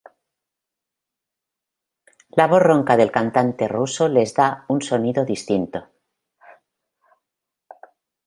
La voz ronca del cantante ruso les da un sonido distinto.